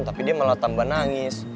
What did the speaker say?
tapi dia malah tambah nangis